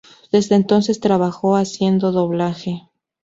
Desde entonces trabajó haciendo doblaje.